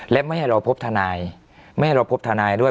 และไม่ให้เราพบทนายไม่ให้เราพบทนายด้วย